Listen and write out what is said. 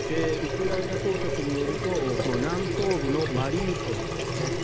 ウクライナ当局によると南東部のマリウポリですね。